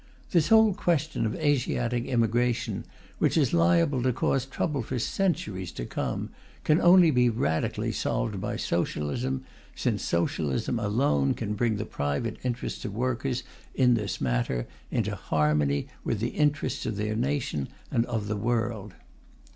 This whole question of Asiatic immigration, which is liable to cause trouble for centuries to come, can only be radically solved by Socialism, since Socialism alone can bring the private interests of workers in this matter into harmony with the interests of their nation and of the world.